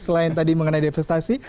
selain tadi mengenai devastasi